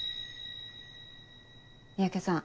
三宅さん